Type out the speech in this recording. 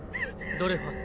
ドレファス